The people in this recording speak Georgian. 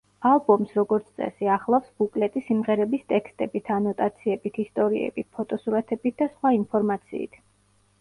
ალბომს, როგორც წესი, ახლავს ბუკლეტი სიმღერების ტექსტებით, ანოტაციებით, ისტორიებით, ფოტოსურათებით და სხვა ინფორმაციით.